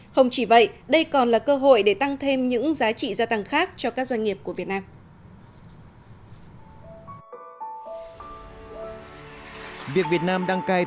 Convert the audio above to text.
không chỉ vậy đây còn là cơ hội để tăng thêm những giá trị gia tăng khác cho các doanh nghiệp của việt nam